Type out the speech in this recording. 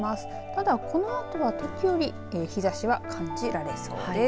ただ、このあとは時折日ざしは感じられそうです。